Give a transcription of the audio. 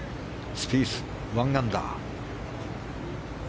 スピース、１アンダー。